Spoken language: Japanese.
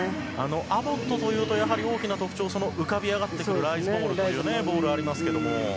アボットというと、やはり大きな特徴は浮かび上がってくるライズボールがありますけど。